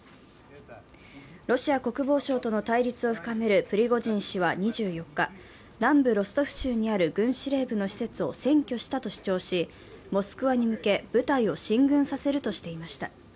ロシア国防省との対立を深めるプリゴジン氏は２４日、南部ロストフ州にある軍司令部の施設を占拠したと主張し、モスクワに向け部隊を進軍させるとしていました。